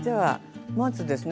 まずですね